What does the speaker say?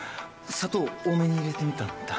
砂糖多めに入れてみたんだ。